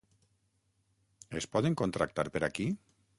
Es poden contractar per aquí?